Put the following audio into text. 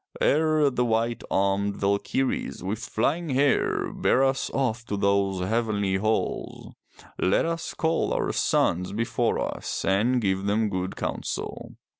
Ere the white armed Valkyrs with flying hair bear us off to those heavenly halls, let us call our sons before us and give them good counsel.